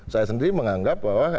saya sendiri menganggap bahwa